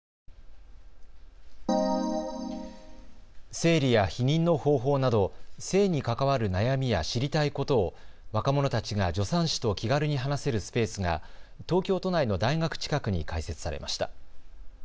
生理や避妊の方法など性に関わる悩みや知りたいことを若者たちが助産師と気軽に話せるスペースが東京都内の大学近くに開設されました。